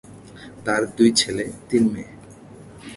তার দুই ছেলে, তিন মেয়ে।